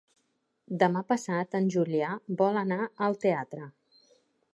Demà passat en Julià vol anar al teatre.